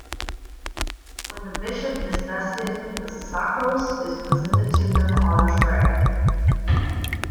When the bishop is vested, the "sakkos" is presented to him on a tray.